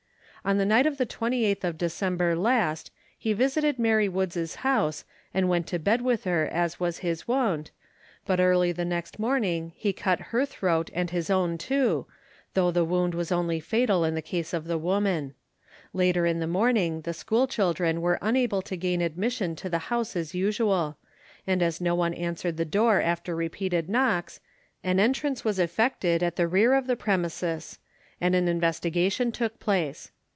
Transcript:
On the night of the 28th of December last he visited Mary Woods' house, and went to bed with her as was his wont, but early next morning he cut her throat and his own too, though the wound was only fatal in the case of the woman. Later in the morning the school children were unable to gain admission to the house as usual, and, as no one answered the door after repeated knocks, an entrance was effected at the rear of the premises, and an investigation took place.